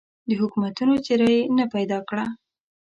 د حکومتونو څېره یې نه پیدا کړه.